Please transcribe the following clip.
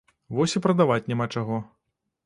Вось і прадаваць няма чаго.